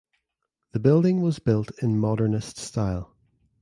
The building was built in Modernist style.